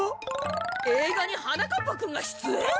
えいがにはなかっぱくんがしゅつえん！？